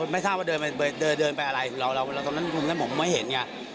ไม่ทราบว่าเดินไปเดินไปอะไรเราเราตรงนั้นผมไม่เห็นเนี่ย